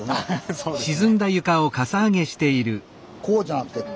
そうですね。